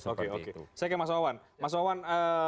oke oke saya ke mas awan mas awan